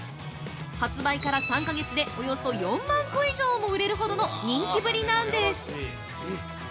発売から３か月でおよそ４万個以上も売れるほどの人気ぶりなんです。